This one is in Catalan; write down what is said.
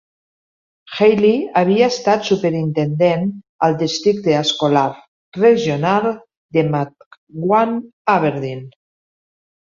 Healy havia estat superintendent al districte escolar regional de Matawan-Aberdeen.